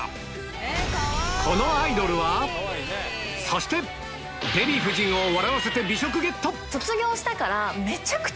そしてデヴィ夫人を笑わせて美食ゲット卒業したから。